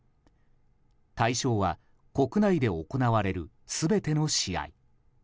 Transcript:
対象は、国内で行われる全ての試合。